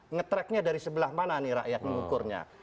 nge tracknya dari sebelah mana nih rakyat mengukurnya